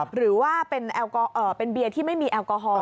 หรือว่าเป็นเบียร์ที่ไม่มีแอลกอฮอล